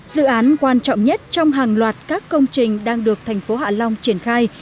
dự án quan trọng nhất trong hàng loạt các công trình đang được thành phố hạ long triển khai